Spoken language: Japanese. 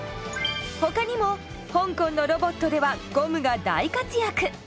他にも香港のロボットではゴムが大活躍。